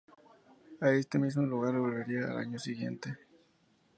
A este mismo lugar volvería al año siguiente.